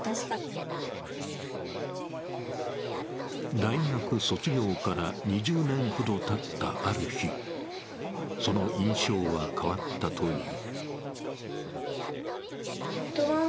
大学卒業から２０年ほどがたったある日、その印象は変わったという。